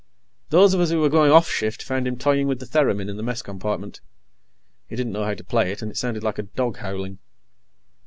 Those of us who were going off shift found him toying with the theremin in the mess compartment. He didn't know how to play it, and it sounded like a dog howling.